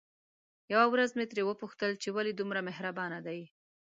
يوه ورځ مې ترې وپوښتل چې ولې دومره مهربانه دي؟